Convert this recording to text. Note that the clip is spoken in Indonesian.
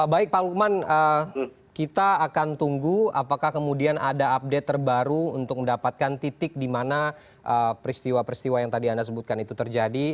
baik pak lukman kita akan tunggu apakah kemudian ada update terbaru untuk mendapatkan titik di mana peristiwa peristiwa yang tadi anda sebutkan itu terjadi